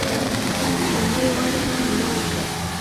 لومړی وار یې پر ما وکړ.